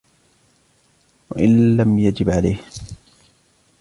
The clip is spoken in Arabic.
وَإِنْ لَمْ يَجِبْ عَلَيْهِ